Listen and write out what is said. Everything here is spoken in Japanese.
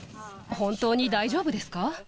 本当に大丈夫ですか？